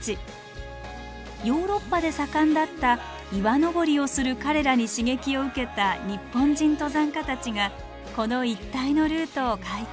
ヨーロッパで盛んだった岩登りをする彼らに刺激を受けた日本人登山家たちがこの一帯のルートを開拓。